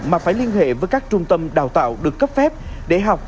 mà phải liên hệ với các trung tâm đào tạo được cấp phép để học